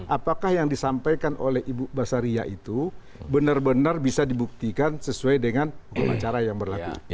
apakah yang disampaikan oleh ibu basaria itu benar benar bisa dibuktikan sesuai dengan cara yang berlaku